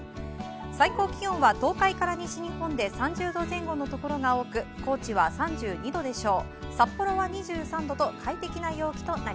最高気温は、東海から西日本で３０度前後のところが多く高知は３２度でしょう。